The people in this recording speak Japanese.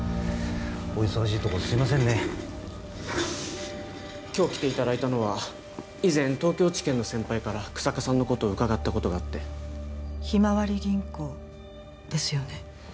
お忙しいとこすいませんね今日来ていただいたのは以前東京地検の先輩から日下さんのことをうかがったことがあってひまわり銀行ですよね？